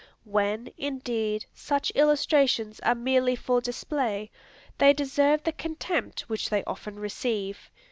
When, indeed, such illustrations are merely for display, they deserve the contempt which they often receive.